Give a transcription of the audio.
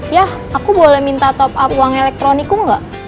ya aku boleh minta top up uang elektronikku nggak